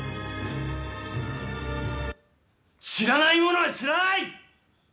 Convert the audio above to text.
知らないものは知らない。